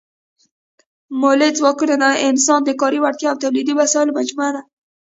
مؤلده ځواکونه د انسان د کاري وړتیا او تولیدي وسایلو مجموعه ده.